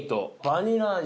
バニラ味